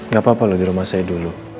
gak apa apa loh di rumah saya dulu